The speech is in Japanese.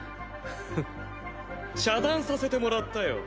ふっ遮断させてもらったよ